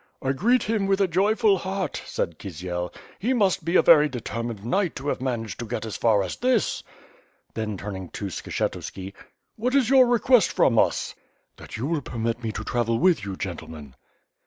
"I greet him with a joyful heart," said Kisiel, *Tie must be a very determined knight to have managed to get as far as this." Then, turning to Skshetuski: "What is your request from us?" "That you will permit me to travel with you, gentlemen."